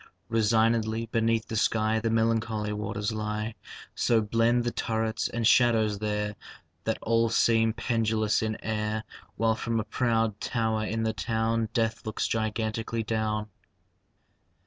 Resignedly beneath the sky The melancholy waters lie. So blend the turrets and shadows there That all seem pendulous in air, While from a proud tower in the town Death looks gigantically down.